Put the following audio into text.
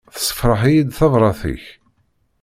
Tessefṛeḥ-iyi-d tebrat-ik.